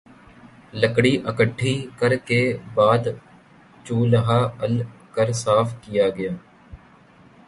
لکڑی اکٹھی کر کے بعد چولہا ال کر صاف کیا گیا